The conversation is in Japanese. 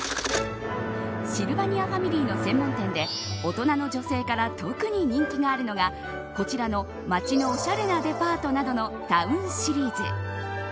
シルバニアファミリーの専門店で大人の女性から特に人気があるのがこちらの街のおしゃれなデパートなどのタウンシリーズ。